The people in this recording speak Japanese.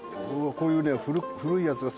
こういうね古いやつが好き。